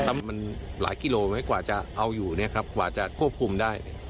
มันหลายกิโลกว่าจะเอาอยู่ครับคว่าจะควบคุมได้